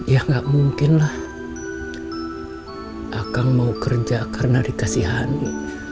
ya nggak mungkin lah akang mau kerja karena dikasihani